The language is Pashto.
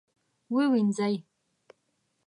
ووینځئ